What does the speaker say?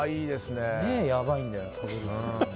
目がやばいんだよ。